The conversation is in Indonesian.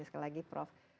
sekali lagi prof